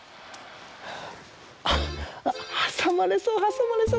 あっはさまれそうはさまれそう。